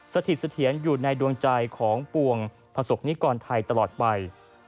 สถิตเสถียรอยู่ในดวงใจของปวงประสบนิกรไทยตลอดไป